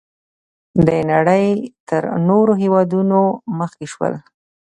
د نړۍ تر نورو هېوادونو مخکې شول.